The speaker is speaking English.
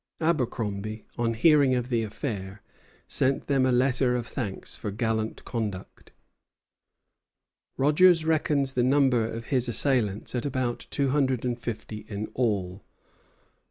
Abercromby, on hearing of the affair, sent them a letter of thanks for gallant conduct. Rogers reckons the number of his assailants at about two hundred and fifty in all.